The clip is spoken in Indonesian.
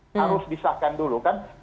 harus disahkan dulu kan